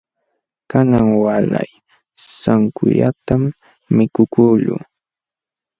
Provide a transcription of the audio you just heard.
Kanan waalay sankullatam mikukuqluu.